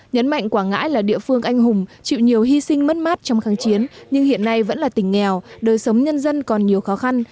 nhấn mạnh quảng ngãi là địa phương anh hùng chịu nhiều hy sinh mất mát trong kháng chiến nhưng hiện nay vẫn là tỉnh nghèo đời sống nhân dân còn nhiều khó khăn